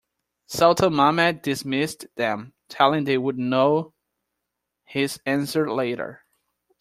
Sultan Mehmed dismissed them, telling they would know his answer later.